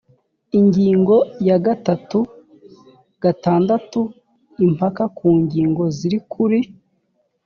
ingingo ya gatatu gatandatu impaka ku ngingo ziri kuri